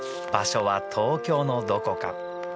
［場所は東京のどこか］